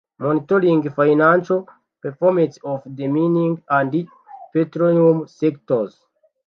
Monitoring financial performance of the mining and petroleum sectors ;